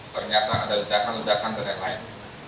ternyata ada ledakan ledakan dan yang lain